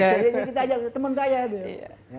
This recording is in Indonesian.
ya jadi kita ajak teman saya